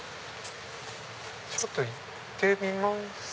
ちょっと行ってみます？